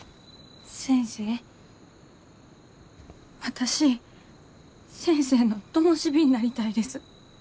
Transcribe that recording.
私先生のともし火になりたいです。